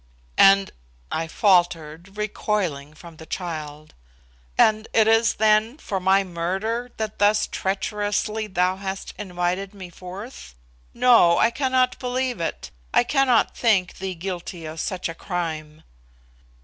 '" "And," I faltered, recoiling from the child "and it is, then, for my murder that thus treacherously thou hast invited me forth? No, I cannot believe it. I cannot think thee guilty of such a crime."